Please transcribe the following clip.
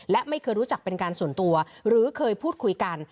และไม่เคยรู้จักเป็นการส่วนตัวหรือเคยพูดคุยกัน